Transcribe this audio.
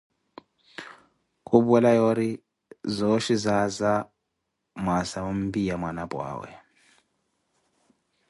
Khupuwela yoori, zooxhi zaaza mwaasa wompiya mwanapwa awe.